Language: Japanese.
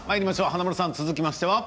華丸さん続きましては。